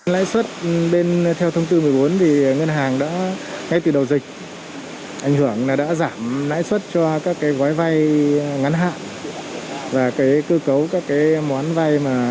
lãi xuất theo thông tư một mươi bốn ngân hàng đã ngay từ đầu dịch ảnh hưởng là đã giảm lãi xuất cho các gói vay ngắn hạn và cơ cấu các món vay